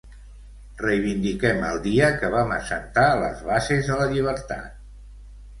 Reivindiquem el dia que vam assentar les bases de la llibertat.